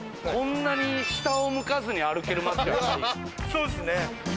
そうですね。